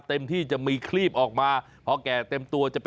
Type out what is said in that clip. เต็มที่จะมีคลีบออกมา